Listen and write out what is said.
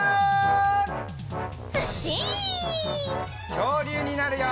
きょうりゅうになるよ！